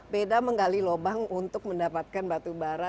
beda menggali lobang untuk mendapatkan batu bara